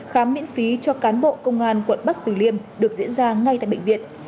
khám miễn phí cho cán bộ công an quận bắc tử liêm được diễn ra ngay tại bệnh viện